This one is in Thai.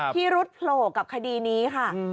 พิรุษโผล่กับคดีนี้ค่ะ